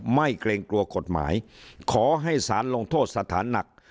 เกรงกลัวกฎหมายขอให้สารลงโทษสถานหนัก